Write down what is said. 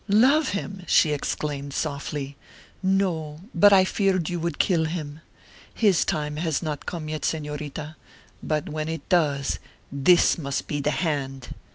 "Love him?" she exclaimed, softly. "No, but I feared you would kill him. His time has not come yet, Señorita, but when it does, this must be the hand!"